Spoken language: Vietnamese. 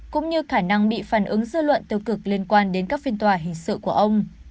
cũng như khả năng bị phản ứng dư luận tiêu cực liên quan đến các phiên tòa hình sự của ông